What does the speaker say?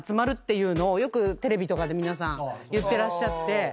ていうのをよくテレビとかで皆さん言ってらっしゃって。